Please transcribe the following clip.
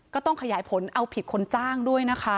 ก็ต้องขยายผลเอาผิดคนจ้างด้วยนะคะ